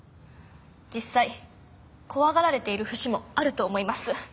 実際怖がられている節もあると思います。